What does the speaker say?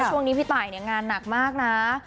ช่วงนี้พี่ตายเนี่ยงานหนักมากนะ